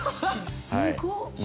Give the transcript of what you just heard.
すごっ！